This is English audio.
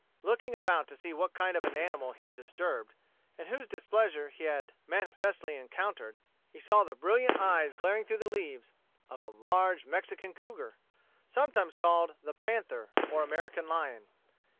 Looking about to see what kind of an animal he had disturbed, and whose displeasure he had manifestly encountered, he saw the brilliant eyes glaring through the leaves of a large Mexican cougar, sometimes called the panther or American lion.